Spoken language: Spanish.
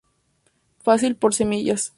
Fácil por semillas.